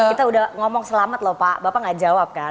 kita sudah ngomong selamat lho pak bapak enggak jawab kan